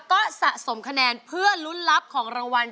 ก็สะสมคะแนนเพื่อลุ้นรับของรางวัล